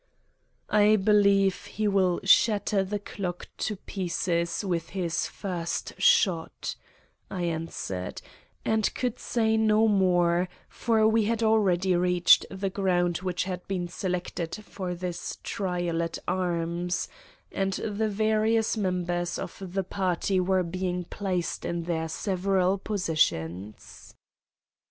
"I believe he will shatter the clock to pieces with his first shot," I answered, and could say no more, for we had already reached the ground which had been selected for this trial at arms, and the various members of the party were being placed in their several positions.